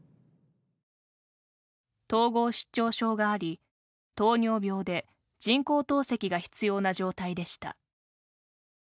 統合失調症があり、糖尿病で人工透析が必要な状態でした。